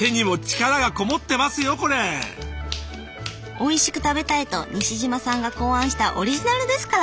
おいしく食べたいと西島さんが考案したオリジナルですから。